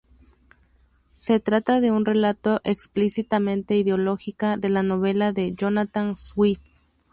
Se trata de un relato explícitamente ideológica de la novela de Jonathan Swift.